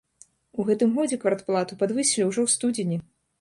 У гэтым годзе квартплату падвысілі ўжо ў студзені.